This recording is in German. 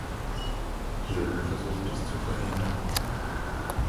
Jürgen versucht, das zu verhindern.